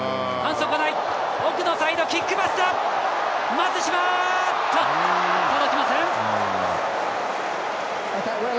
松島、届きません！